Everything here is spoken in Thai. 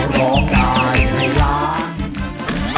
ร้องได้ให้ล้าน